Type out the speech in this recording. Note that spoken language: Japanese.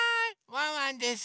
ワンワンです。